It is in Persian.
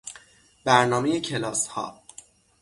برنامهی کلاسها